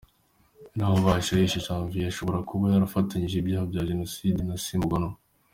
Naho Bashayija Janvier ngo ashobora kuba yarafatanyije ibyaha bya Jenoside na Simugomwa.